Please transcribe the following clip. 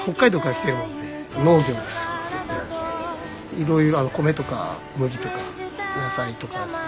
いろいろ米とか麦とか野菜とかですね。